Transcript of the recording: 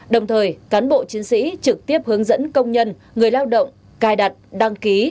đồng thời cán bộ chiến sĩ trực tiếp hướng dẫn công nhân người lao động cài đặt đăng ký